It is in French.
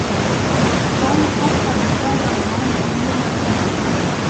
Pourtant le sang-froid de Jean Valjean le gagnait malgré lui.